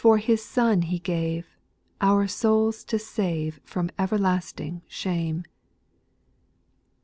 His Son He gave, our souls to save From cvcvhistmg shame.